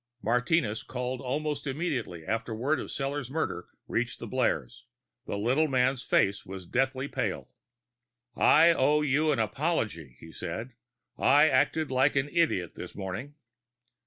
Martinez called almost immediately after word of Sellors' murder reached the blares. The little man's face was deadly pale. "I owe you an apology," he said. "I acted like an idiot this morning."